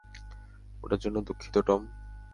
ওটার জন্য দুঃখিত, টম।